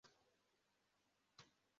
Itsinda rikinira ahantu hatagira idirishya